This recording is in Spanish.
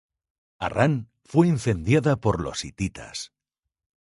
Harrán fue incendiada por los hititas.